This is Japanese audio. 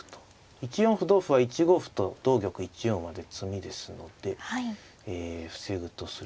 １四歩同歩は１五歩と同玉１四馬で詰みですので防ぐとする。